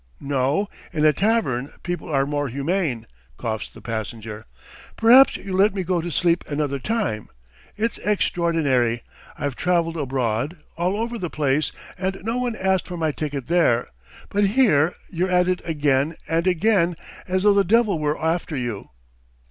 "No, in a tavern people are more humane. .." coughs the passenger. "Perhaps you'll let me go to sleep another time! It's extraordinary: I've travelled abroad, all over the place, and no one asked for my ticket there, but here you're at it again and again, as though the devil were after you.